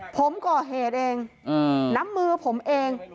ผมก่อเหตุเองน้ำมือผมเอง